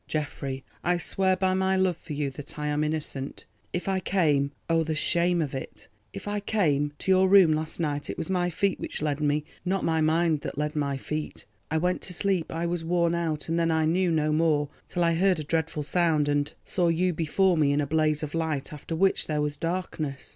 Geoffrey, I swear by my love for you that I am innocent. If I came—oh, the shame of it! if I came—to your room last night, it was my feet which led me, not my mind that led my feet. I went to sleep, I was worn out, and then I knew no more till I heard a dreadful sound, and saw you before me in a blaze of light, after which there was darkness."